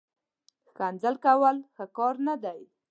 ښکنځل کول، ښه کار نه دئ